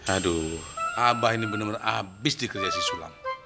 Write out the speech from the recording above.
aduh abah ini bener bener abis dikerja si sulam